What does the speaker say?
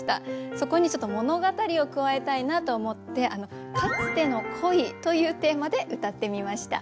そこにちょっと物語を加えたいなと思って「かつての恋」というテーマでうたってみました。